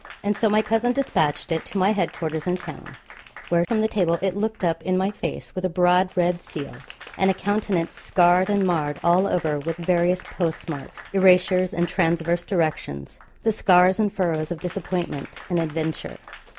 And so my cousin despatched it to my head quarters in town, where from the table it looked up in my face, with a broad red seal, and a countenance scarred and marred all over with various post marks, erasures, and transverse directions, the scars and furrows of disappointment and adventure.